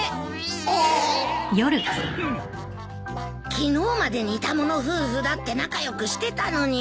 昨日まで似た者夫婦だって仲良くしてたのに。